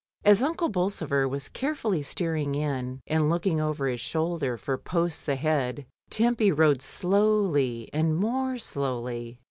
As Uncle Bolsover was carefully steering in, and looking over his shoulder for posts ahead, Tempy rowed slowly and more slowly.